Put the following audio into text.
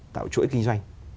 tạo chuỗi kinh doanh